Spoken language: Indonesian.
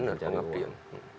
iya benar pengabdian